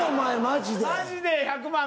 マジで１００万。